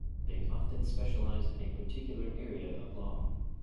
They often specialise in a particular area of law.